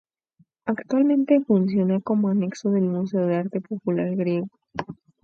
Actualmente funciona como anexo del Museo de Arte Popular Griego.